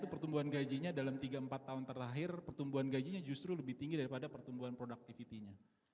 pertumbuhan gajinya dalam tiga empat tahun terakhir pertumbuhan gajinya justru lebih tinggi daripada pertumbuhan productivity nya